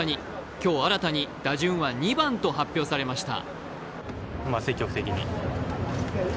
今日、新たに打順は２番と発表されました。